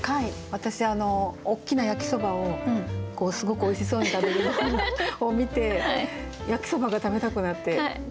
私あの大きな焼きそばをこうすごくおいしそうに食べる動画を見て焼きそばが食べたくなって買いに行きました。